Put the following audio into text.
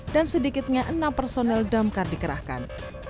dan sedikitnya enam personel damkar dikerahkan